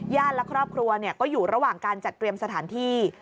และครอบครัวก็อยู่ระหว่างการจัดเตรียมสถานที่